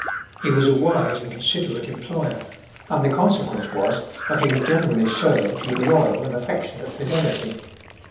He was a wise and considerate employer; and the consequence was, that he was generally served with loyal and affectionate fidelity.